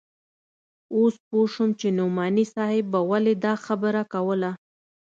اوس پوه سوم چې نعماني صاحب به ولې دا خبره کوله.